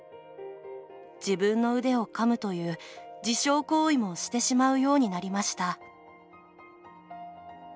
自分の腕をかむという自傷行為もしてしまうようになりました」。